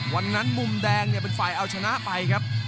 วันนั้นมุมแดงเป็นฝ่ายเอาชนะไปครับ